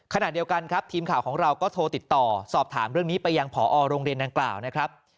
ขณะเดียวกันครับทีมข่าวของเราก็โทรติดต่อสอบถามเรื่องนี้ไปยังพอโรงเรียนดังกล่าวนะครับ